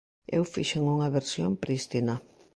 Eu fixen unha versión prístina.